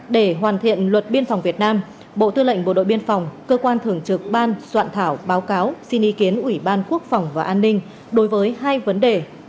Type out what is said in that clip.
để hoàn thiện luật biên phòng việt nam bộ tư lệnh bộ đội biên phòng cơ quan thường trực ban soạn thảo báo cáo xin ý kiến ủy ban quốc phòng và an ninh đối với hai vấn đề